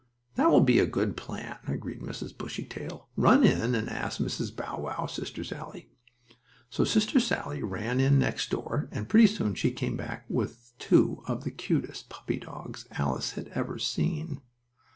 "That will be a good plan," agreed Mrs. Bushytail. "Run in and ask Mrs. Bow Wow, Sister Sallie." So Sister Sallie ran in next door, and pretty soon she came back with two of the cutest puppy dogs Alice had ever seen.